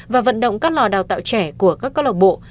và vận động các lò đào tạo trẻ của các cơ lộc bộ